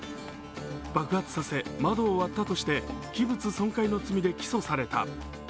爆発させ窓を割ったとして器物損壊の罪で起訴された。